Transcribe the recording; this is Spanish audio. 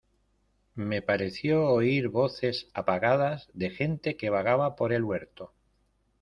me pareció oír voces apagadas de gente que vagaba por el huerto.